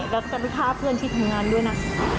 แล้วก็จะไปฆ่าเพื่อนที่ทำงานด้วยนะ